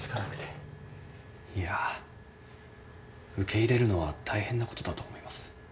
いや受け入れるのは大変なことだと思います。